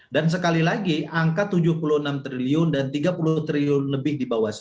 dan sekali lagi angka rp tujuh puluh enam triliun dan rp tiga puluh triliun lebih